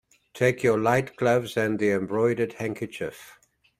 Take your light gloves and the embroidered handkerchief.